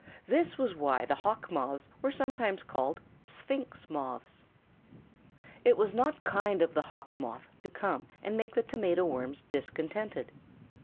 This was why the Hawk Moths were sometimes called Sphinx Moths. It was not kind in the Hawk Moth to come and make the Tomato Worms discontented.